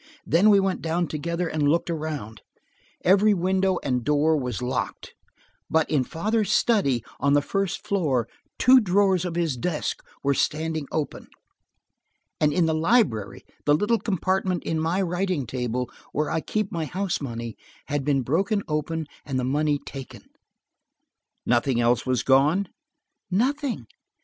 Then we went down together and looked around. Every window and door was locked, but in father's study, on the first floor, two drawers of his desk were standing open. And in the library, the little compartment in my writing table, where I keep my house money, had been broken open and the money taken." "Nothing else was gone?" "Nothing.